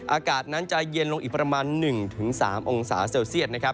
อากาศนั้นจะเย็นลงอีกประมาณ๑๓องศาเซลเซียตนะครับ